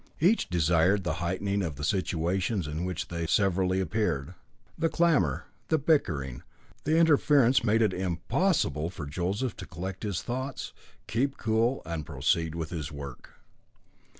Each desired the heightening of the situations in which they severally appeared. The clamour, the bickering, the interference made it impossible for Joseph to collect his thoughts, keep cool, and proceed with his work.